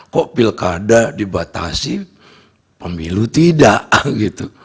kok pilkada dibatasi pemilu tidak gitu